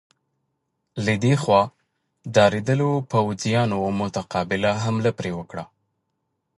له دې خوا ډارېدلو پوځیانو متقابله حمله پرې وکړه.